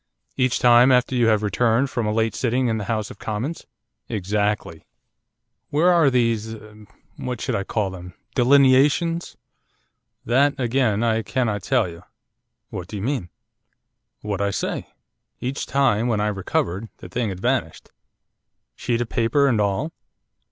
'Each time after you have returned from a late sitting in the House of Commons?' 'Exactly.' 'Where are these what shall I call them delineations?' 'That, again, I cannot tell you.' 'What do you mean?' 'What I say. Each time, when I recovered, the thing had vanished.' 'Sheet of paper and all?